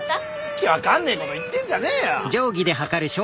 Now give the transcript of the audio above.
訳分かんねえこと言ってんじゃねえよ！